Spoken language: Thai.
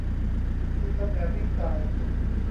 ที่เท่าแมวดิ้นตาย